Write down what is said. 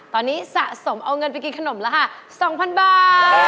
ตอนนี้สะสมเอาเงินไปกินขนมราคา๒๐๐บาท